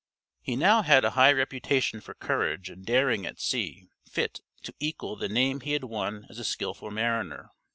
He now had a high reputation for courage and daring at sea fit to equal the name he had won as a skilful mariner.